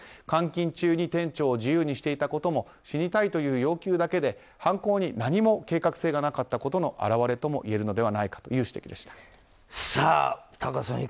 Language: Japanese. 監禁中に店長を自由にしていたことも死にたいという要求だけで犯行に何も計画性がなかったのことの表れともいえるのではないか。